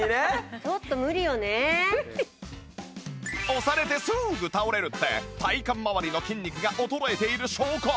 押されてすぐ倒れるって体幹まわりの筋肉が衰えている証拠